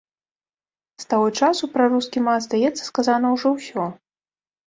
З таго часу пра рускі мат, здаецца, сказана ўжо ўсё.